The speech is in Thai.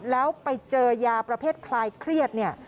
แล้วไปเจอยาประเภทคลายเครียดเนี่ย